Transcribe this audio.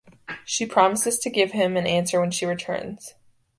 She promises to give him an answer when she returns.